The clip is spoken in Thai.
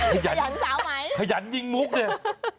ขยันสาวไหมขยันจริงมุกเนี่ย